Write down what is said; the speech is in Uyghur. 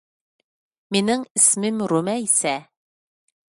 مېنىڭ ئىسمىم رۇمەيسە